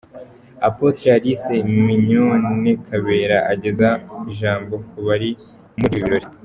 Apotre Alice Migonne Kabera ageza ijambo ku bari muri ibi birori.